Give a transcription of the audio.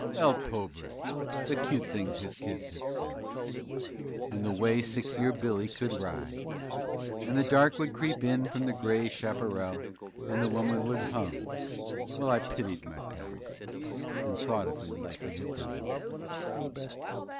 El pobre! the cute things his kids had said! And the way six year Billy could ride! And the dark would creep in from the gray chaparral And the woman would hum, while I pitied my pal And thought of him like he had died.